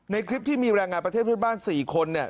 คลิปที่มีแรงงานประเทศเพื่อนบ้าน๔คน